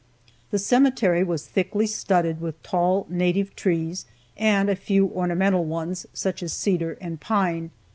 The cemetery was thickly studded with tall, native trees, and a few ornamental ones, such as cedar and pine.